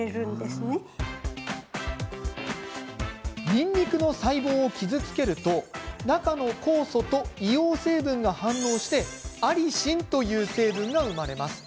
にんにくの細胞を傷つけると中の酵素と硫黄成分が反応してアリシンという成分が生まれます。